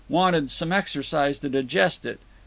Wanted some exercise to digest it.